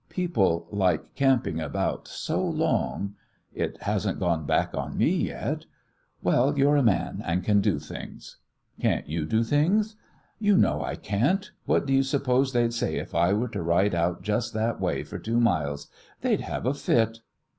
People like camping about so long " "It hasn't gone back on me yet." "Well, you're a man and can do things." "Can't you do things?" "You know I can't. What do you suppose they'd say if I were to ride out just that way for two miles? They'd have a fit."